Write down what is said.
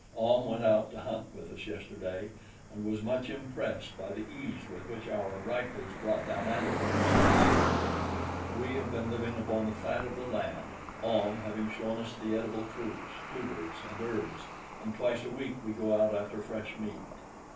Ahm went out to hunt with us yesterday and was much impressed by the ease with which our rifles brought down antelopes and deer. We have been living upon the fat of the land, Ahm having shown us the edible fruits, tubers and herbs, and twice a week we go out after fresh meat.